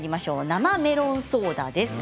生メロンソーダです。